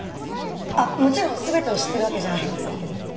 あっもちろん全てを知ってるわけじゃありませんけど。